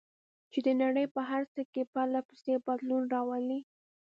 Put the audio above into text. چې د نړۍ په هر څه کې پرله پسې بدلون راولي.